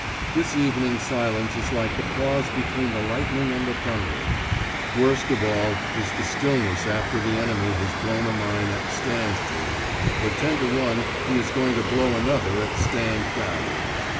This evening silence is like the pause between the lightning and the thunder; worst of all is the stillness after the enemy has blown a mine at "stand to," for ten to one he is going to blow another at "stand down."